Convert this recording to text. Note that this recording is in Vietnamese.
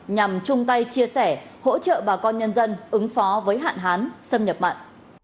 nhằm chung tay chia sẻ hỗ trợ bà con nhân dân ứng phó với hạn hán xâm nhập mặn